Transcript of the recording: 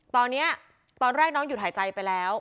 ตอนนี้ตอนแรกน้องหยุดหายใจไปแล้ว